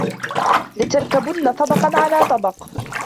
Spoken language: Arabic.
لَتَرْكَبُنَّ طَبَقًا عَنْ طَبَقٍ